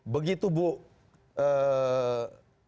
begitu bu menteri keuangan